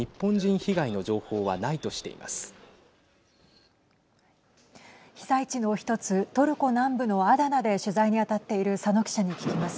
被災地の１つ、トルコ南部のアダナで取材に当たっている佐野記者に聞きます。